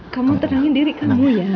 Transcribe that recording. kamu tenangin diri kamu ya